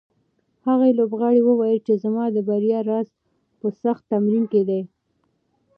هغه لوبغاړی وویل چې زما د بریا راز په سخت تمرین کې دی.